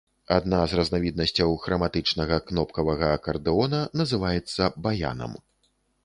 Адна з разнавіднасцяў храматычнага кнопкавага акардэона называецца баянам.